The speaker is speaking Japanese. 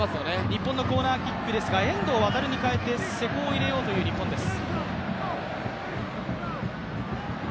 日本のコーナーキックですが遠藤航にかえて、瀬古を入れようという日本です。